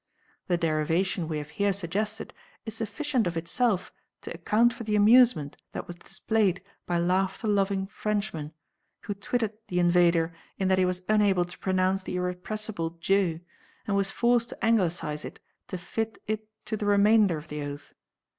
The derivation we have here suggested is sufficient of itself to account for the amusement that was displayed by laughter loving Frenchmen, who twitted the invader in that he was unable to pronounce the irrepressible Dieu, and was forced to anglicise it to fit it to the remainder of the oath.